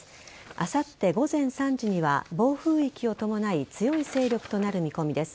あさって午前３時には暴風域を伴い強い勢力となる見込みです。